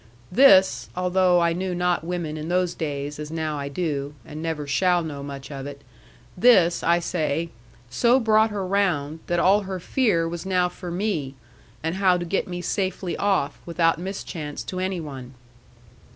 This (although I knew not women in those days, as now I do, and never shall know much of it), this, I say, so brought her round, that all her fear was now for me, and how to get me safely off, without mischance to any one.